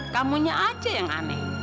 kamunya aja yang aneh